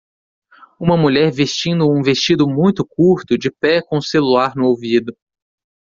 Uma mulher vestindo um vestido muito curto, de pé com o celular no ouvido.